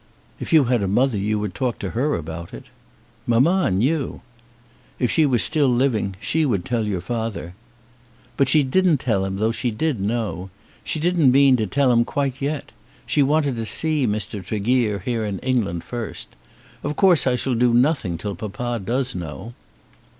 "If you had a mother you would talk to her about it." "Mamma knew." "If she were still living she would tell your father." "But she didn't tell him though she did know. She didn't mean to tell him quite yet. She wanted to see Mr. Tregear here in England first. Of course I shall do nothing till papa does know."